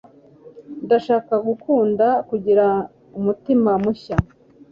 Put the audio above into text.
ndashaka gukunda kugira umutima mushya